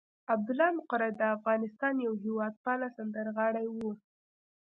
عبدالله مقری د افغانستان یو هېواد پاله سندرغاړی وو.